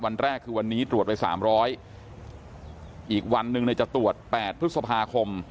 วันแรกคือวันนี้ตรวจไป๓๐๐อีกวันหนึ่งเนี่ยจะตรวจ๘พฤษภาคม